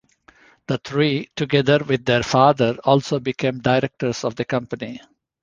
The three, together with their father, also became directors of the company.